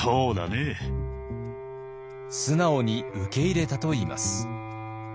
素直に受け入れたといいます。